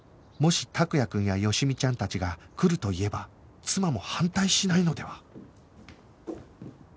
もし託也くんや好美ちゃんたちが来ると言えば妻も反対しないのでは？